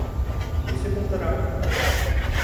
Эсеп ултыра?!